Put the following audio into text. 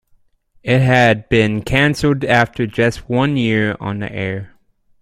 It had been canceled after just one year on the air.